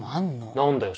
何だよ？